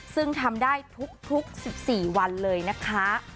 ซึ่งทำได้ทุก๑๔วันเลยนะคะ